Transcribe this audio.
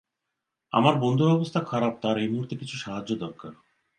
আমার বন্ধুর অবস্থা খারাপ তার এই মুহূর্তে কিছু সাহায্য দরকার।